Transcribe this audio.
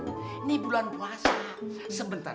bunda bistle kamu semangat